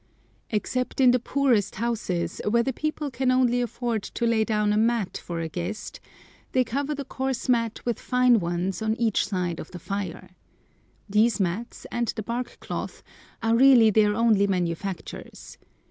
[Picture: Aino Gods] Except in the poorest houses, where the people can only afford to lay down a mat for a guest, they cover the coarse mat with fine ones on each side of the fire. These mats and the bark cloth are really their only manufactures.